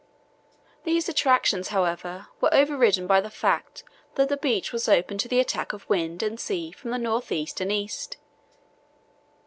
These attractions, however, were overridden by the fact that the beach was open to the attack of wind and sea from the north east and east.